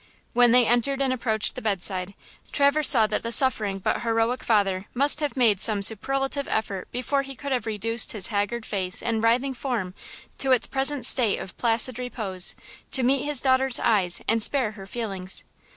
When they entered and approached the bedside, Traverse saw that the suffering but heroic father must have made some superlative effort before he could have reduced his haggard face and writhing form to its present state of placid repose, to meet his daughter's eyes and spare her feelings.